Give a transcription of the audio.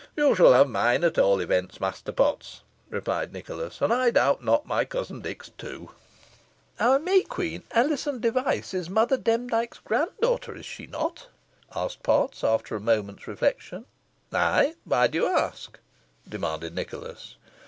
"You shall have mine, at all events, Master Potts," replied Nicholas; "and I doubt not, my cousin Dick's, too." "Our May Queen, Alizon Device, is Mother Demdike's grand daughter, is she not?" asked Potts, after a moment's reflection. "Ay, why do you ask?" demanded Nicholas.